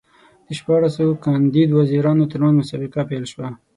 د شپاړسو کاندید وزیرانو ترمنځ مسابقه پیل شوه.